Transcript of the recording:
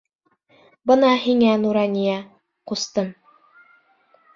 Бына һиңә Нурания, ҡустым!